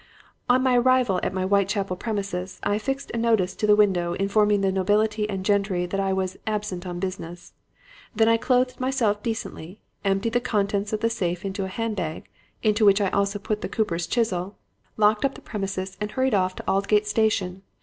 "On my arrival at my Whitechapel premises, I affixed a notice to the window informing the nobility and gentry that I was 'absent on business.' Then I clothed myself decently, emptied the contents of the safe into a hand bag, in which I also put the cooper's chisel, locked up the premises and hurried off to Aldgate Station.